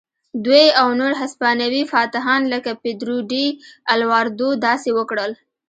دوی او نور هسپانوي فاتحان لکه پیدرو ډي الواردو داسې وکړل.